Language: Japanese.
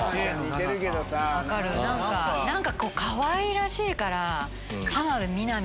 何かかわいらしいから。